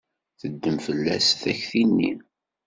Teddem fell-as takti-nni.